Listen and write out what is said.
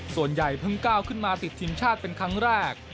ส่วนใหญ่เพิ่งก้าวขึ้นมาติดทีมชาติเป็นครั้งแรก